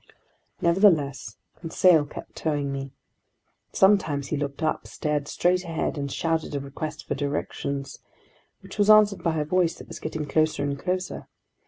Nevertheless, Conseil kept towing me. Sometimes he looked up, stared straight ahead, and shouted a request for directions, which was answered by a voice that was getting closer and closer.